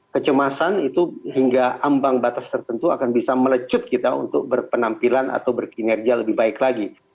kecemasan itu hingga ambang batas tertentu akan bisa melecut kita untuk berpenampilan atau berkinerja lebih baik lagi